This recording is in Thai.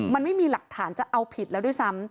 มันไม่มีหลักฐานจะเอาผิดแล้วด้วยซ้ำ